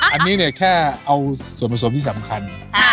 อันนี้เนี่ยแค่เอาส่วนผสมที่สำคัญ